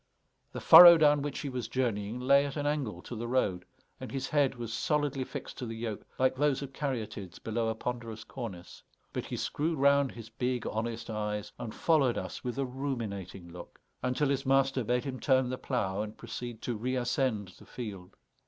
The furrow down which he was journeying lay at an angle to the road, and his head was solidly fixed to the yoke like those of caryatides below a ponderous cornice; but he screwed round his big honest eyes and followed us with a ruminating look, until his master bade him turn the plough and proceed to reascend the field.